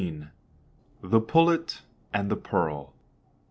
THE PULLET AND THE PEARL.